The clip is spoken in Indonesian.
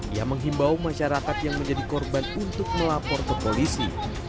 ia menghimbau masyarakat yang menjadi korban untuk melapor ke polisi